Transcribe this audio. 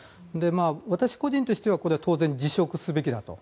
私個人としてはこれは当然辞職すべきだと。